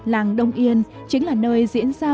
làng đông yên chính là nơi diễn ra